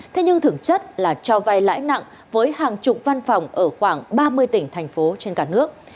thế nhưng thưởng chất là cho vay lãi nặng với hàng chục văn phòng ở khoảng ba mươi tỉnh thành phố trên cả nước